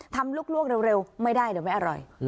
ลูกเร็วไม่ได้เดี๋ยวไม่อร่อย